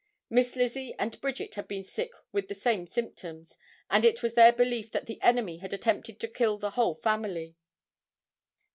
Miss Lizzie and Bridget had been sick with the same symptoms, and it was their belief that an enemy had attempted to kill the whole family."